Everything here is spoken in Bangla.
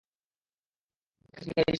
আমি খাঁচা ভেঙে বেরিয়ে এসেছি।